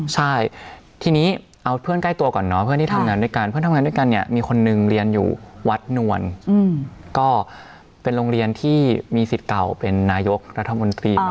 ใช่ทีนี้เอาเพื่อนใกล้ตัวก่อนเนาะเพื่อนที่ทำงานด้วยกันเพื่อนทำงานด้วยกันเนี่ยมีคนนึงเรียนอยู่วัดนวลก็เป็นโรงเรียนที่มีสิทธิ์เก่าเป็นนายกรัฐมนตรี